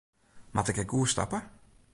Moat ik ek oerstappe?